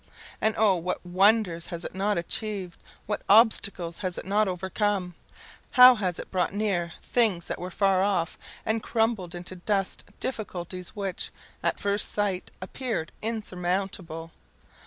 And, oh, what wonders has it not achieved! what obstacles has it not overcome! how has it brought near things that were far off, and crumbled into dust difficulties which, at first sight, appeared insurmountable.